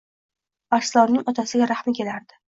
Arslonning otasiga rahmi kelardi